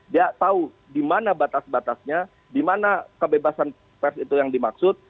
dia tahu di mana batas batasnya di mana kebebasan pers itu yang dimaksud